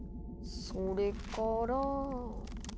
それから。